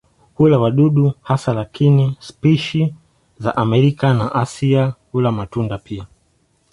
Hula wadudu hasa lakini spishi za Amerika na Asia hula matunda pia.